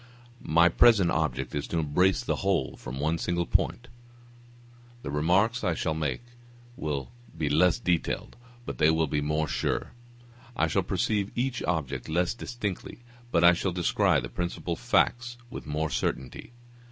My present object is to embrace the whole from one single point; the remarks I shall make will be less detailed, but they will be more sure. I shall perceive each object less distinctly, but I shall descry the principal facts with more certainty.